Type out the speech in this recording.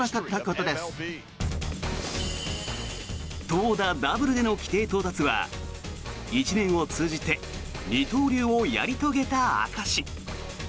投打ダブルでの規定到達は１年を通じて二刀流をやり遂げた証し。